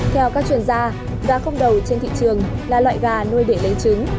theo các chuyên gia gà không đầu trên thị trường là loại gà nuôi để lấy trứng